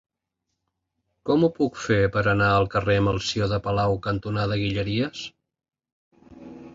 Com ho puc fer per anar al carrer Melcior de Palau cantonada Guilleries?